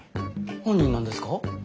犯人なんですか？